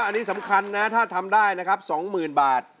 อันนี้สำคัญนะถ้าทำได้นะครับ๒๐๐๐บาท